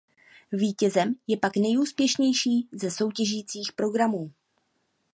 Vítězem je pak nejúspěšnější ze soutěžících programů.